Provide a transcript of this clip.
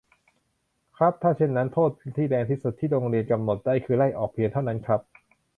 ครับ ถ้าเช่นนั้น โทษที่แรงที่สุด ที่โรงเรียนกำหนดได้ คือ ไล่ออก เพียงเท่านั้นครับ